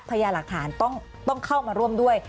เพราะประหยากฐานต้องเข้ามาร่วมด้วย